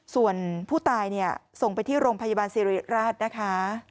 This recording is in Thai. ส่วนผู้ตายส่งไปที่โรงพยาบาลสิริราชนะคะ